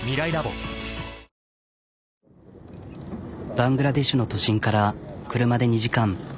バングラデシュの都心から車で２時間。